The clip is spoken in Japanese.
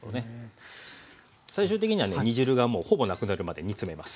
最終的にはね煮汁がもうほぼなくなるまで煮詰めます。